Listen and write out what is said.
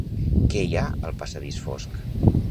Què hi ha al passadís fosc?